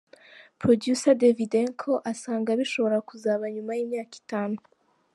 Producer Davydanko asanga bishobora kuzaba nyuma y’imyaka nk’itanu ;.